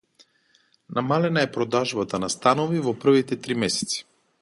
Намалена е продажбата на станови во првите три месеци